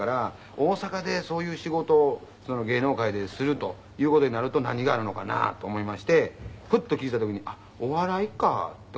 大阪でそういう仕事を芸能界でするという事になると何があるのかなと思いましてふっと気付いた時に「あっお笑いか」と思ったんです